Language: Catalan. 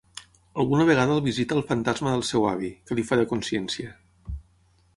Alguna vegada el visita el fantasma del seu avi, que li fa de consciència.